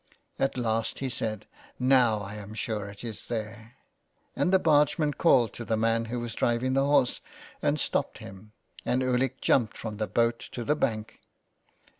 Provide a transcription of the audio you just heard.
At last he said, " Now I am sure it is there." And the bargeman called to the man who was driving the horse and stopped him, and Ulick jumped from the boat to the bank.